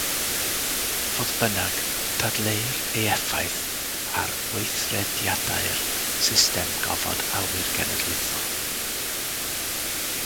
Fodd bynnag, dadleuir ei effaith ar weithrediadau'r system gofod awyr genedlaethol.